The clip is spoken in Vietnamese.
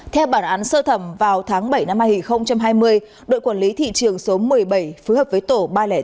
theo bản án sơ thẩm vào tháng bảy năm hai nghìn hai mươi đội quản lý thị trường số một mươi bảy phối hợp với tổ ba trăm linh tám